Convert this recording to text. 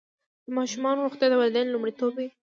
د ماشومانو روغتیا د والدینو لومړیتوب دی.